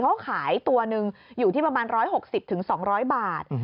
เขาขายตัวหนึ่งอยู่ที่ประมาณ๑๖๐๒๐๐บาท